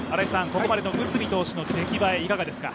ここまでの内海投手の出来栄えいかがですか？